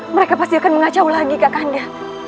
mereka pasti akan mengacau lagi ke kanda